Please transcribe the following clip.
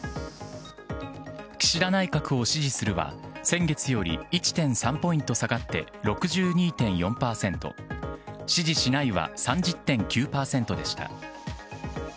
岸田内閣を支持するは、先月より１．３ポイント下がって６２．４％、支持しないは３０．９％でした。